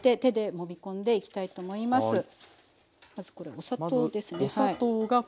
まずこれお砂糖ですね。